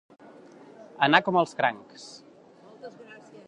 Anar com els crancs.